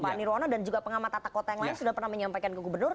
pak nirwana dan juga pengamat tata kota yang lain sudah pernah menyampaikan ke gubernur